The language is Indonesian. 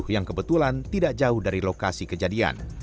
yang kebetulan tidak jauh dari lokasi kejadian